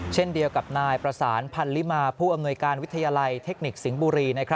เช่นเดียวกับนายประสานพันลิมาผู้อำนวยการวิทยาลัยเทคนิคสิงห์บุรี